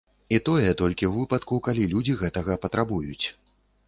І тое толькі ў выпадку, калі людзі гэтага патрабуюць.